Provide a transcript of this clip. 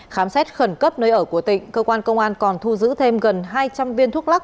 khám xét khẩn cấp nơi ở của tịnh cơ quan công an còn thu giữ thêm gần hai trăm linh viên thuốc lắc